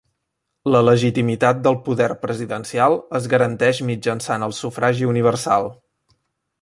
La legitimitat del poder presidencial es garanteix mitjançant el sufragi universal.